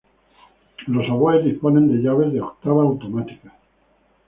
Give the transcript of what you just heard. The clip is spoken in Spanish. Los oboes disponen de llaves de octava automáticas.